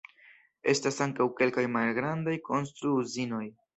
Estas ankaŭ kelkaj malgrandaj konstru-uzinoj.